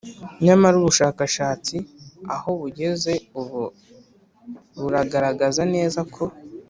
nyamara ubushakashatsi aho bugeze ubu buragaragaza neza ko